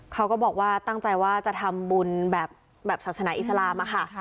เขาก็บอกว่าตั้งใจว่าจะทำบุญแบบศาสนาอิสลามอะค่ะ